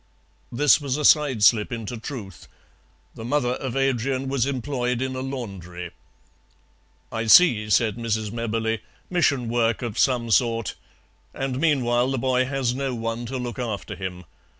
This was a side slip into truth. The mother of Adrian was employed in a laundry. "I see," said Mrs. Mebberley, "mission work of some sort. And meanwhile the boy has no one to look after him.